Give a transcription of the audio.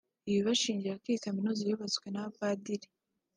Ibi babishingirako iyi kaminuza yubatswe n’abapadiri